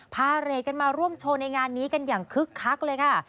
พาเรทกันมาร่วมโชว์ในงานนี้กันอย่างคึกคักเลยค่ะ